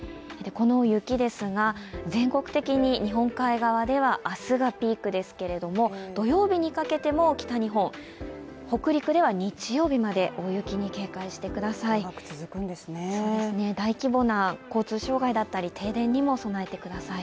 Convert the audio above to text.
この雪ですが、全国的に日本海側では明日がピークですけれども、土曜日にかけても北日本北陸では日曜日まで大雪に警戒してください。